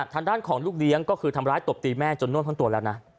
ทางด้านของลูกเลี้ยงก็คือทำร้ายตบตีแม่จนนวดทั้งตัวแล้วนะ